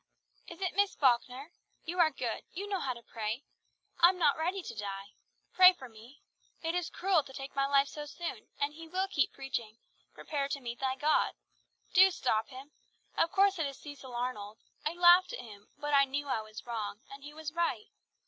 "Is it Miss Falkner? You are good, you know how to pray. I am not ready to die. Pray for me. It is cruel to take my life so soon, and he will keep preaching, 'Prepare to meet thy God.' Do stop him. Of course it is Cecil Arnold; I laughed at him, but I knew I was wrong, and he was right.